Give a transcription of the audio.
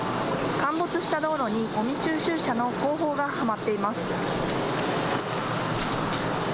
陥没した道路にごみ収集車の後方がはまっています。